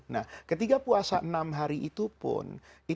nah ketika puasa enam hari itu pun